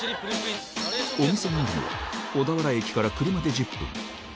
お店までは、小田原駅から車で１０分。